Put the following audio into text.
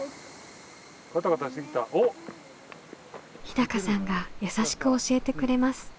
日高さんが優しく教えてくれます。